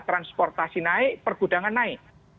transportasi naik pergudangan naik